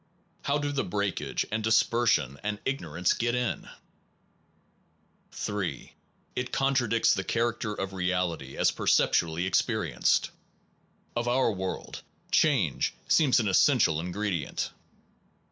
How do the breakage and dispersion and ignorance get in? 138 THE ONE AND THE MANY 3. It contradicts the character of reality as perceptually experienced. Of our world, change seems an essential ingredient.